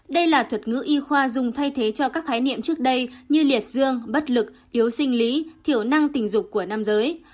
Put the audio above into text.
đây là thuật ngữ y khoa dùng thay thế cho các khái niệm trước đây như liệt dương bất lực yếu sinh lý thiểu năng tình dục của nam giới